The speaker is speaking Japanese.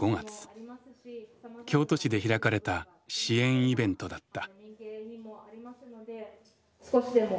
京都市で開かれた支援イベントだった。